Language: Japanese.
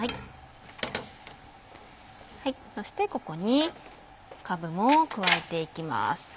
そしてここにかぶも加えていきます。